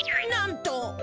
なんと！